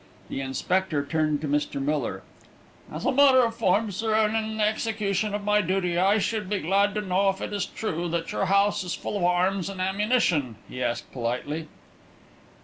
The inspector turned to Mr. Miller. "As a matter of form, sir, and in the execution of my duty, I should be glad to know if it is true that your house is full of arms and ammunition?" he asked politely.